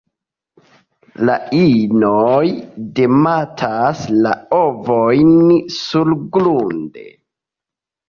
La inoj demetas la ovojn surgrunde.